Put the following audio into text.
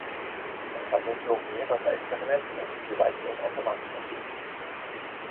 Im Shuttle flogen mehrere Experimente mit, die weitgehend automatisch abliefen.